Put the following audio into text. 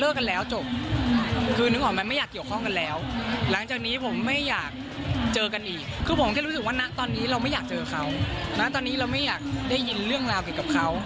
นึกออกไหมไม่อยากเกี่ยวข้องกันแล้วหลังจากนี้ผมไม่อยากเจอกันอีกคือผมแค่รู้สึกว่าณตอนนี้เราไม่อยากเจอเขานะตอนนี้เราไม่อยากได้ยินเรื่องราวเกี่ยวกับเขา